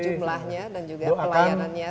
jumlahnya dan juga pelayanannya semakin baik